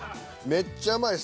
めっちゃうまいです。